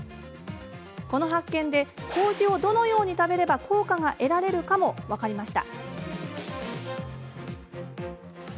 この発見でこうじをどのように食べれば効果が得られるかも分かりました。